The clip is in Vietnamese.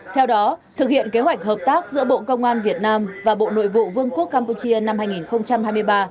theo đó thực hiện kế hoạch hợp tác giữa bộ công an việt nam và bộ nội vụ vương quốc campuchia năm hai nghìn hai mươi ba